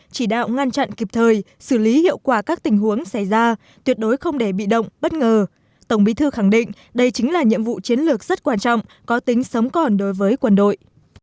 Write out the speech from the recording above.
chỉ đạo ngăn chặn kịp thời xử lý hiệu quả các tình huống xảy ra tuyệt đối không để bị động bất ngờ tổng bí thư khẳng định đây chính là nhiệm vụ chiến lược rất quan trọng có tính sống còn đối với quân đội